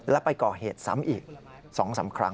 และไปก่อเหตุ๓อีก๒๓ครั้ง